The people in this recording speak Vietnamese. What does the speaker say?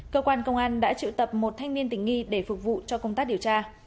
cơ quan công an đã triệu tập một thanh niên tình nghi để phục vụ cho công tác điều tra